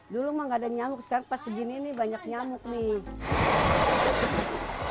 dulu mah gak ada nyamuk sekarang pas segini nih banyak nyamuk nih